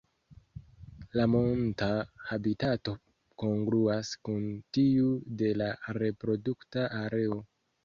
La monta habitato kongruas kun tiu de la reprodukta areo.